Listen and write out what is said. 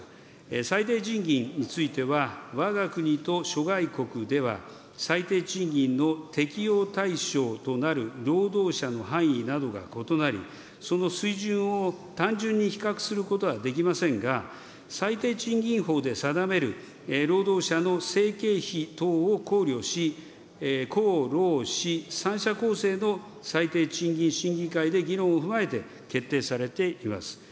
最低賃金については、わが国と諸外国では、最低賃金の適用対象となる労働者の範囲などが異なり、その水準を単純に比較することはできませんが、最低賃金法で定める労働者の生計費等を考慮し、公労使３者構成の最低賃金審議会で議論を踏まえて決定されています。